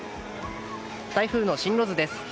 台風の進路図です。